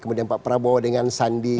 kemudian pak prabowo dengan sandi